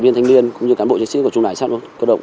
những ngày tháng bảy